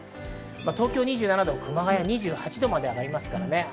東京２７度、熊谷２８度まで上がります。